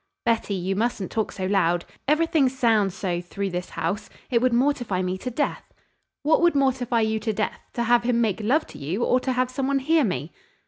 "Betty! You mustn't talk so loud. Everything sounds so through this house. It would mortify me to death." "What would mortify you to death: to have him make love to you or to have someone hear me?"